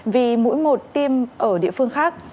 vì mũi một tiêm ở địa phương khác